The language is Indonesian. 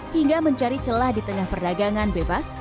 hingga mencari celah di tengah perdagangan bebas